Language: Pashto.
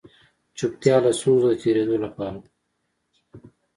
چوپتيا له ستونزو د تېرېدلو لپاره